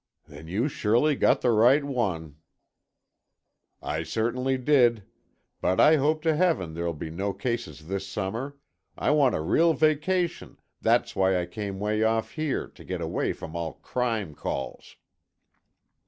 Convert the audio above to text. "Then you surely got the right one." "I certainly did. But I hope to Heaven there'll be no cases this summer. I want a real vacation, that's why I came 'way off here, to get away from all crime calls."